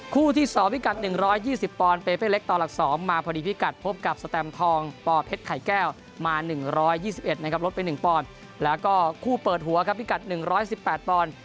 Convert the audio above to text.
คู่ที่สองพิกัด๑๒๐ปอลได้เปะเล็กตอนหลักสอง